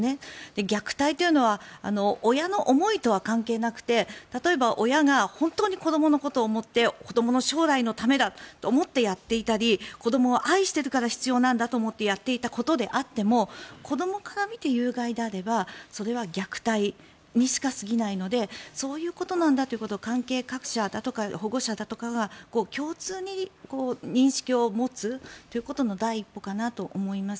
虐待というのは親の思いとは関係なくて例えば親が本当に子どものことを思って子どもの将来のためだと思ってやっていたり子どもを愛しているから必要なんだと思ってやっていたことであっても子どもから見て有害であればそれは虐待にしか過ぎないのでそういうことなんだということを関係各人保護者だとかが共通に認識を持つということが第一歩かなと思います。